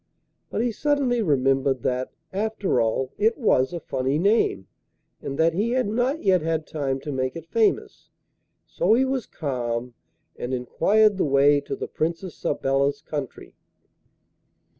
But he suddenly remembered that, after all, it was a funny name, and that he had not yet had time to make it famous; so he was calm, and enquired the way to the Princess Sabella's country.